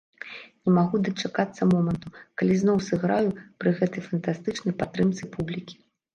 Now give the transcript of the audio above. Не магу дачакацца моманту, калі зноў сыграю пры гэтай фантастычнай падтрымцы публікі.